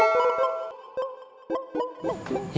ya aku percaya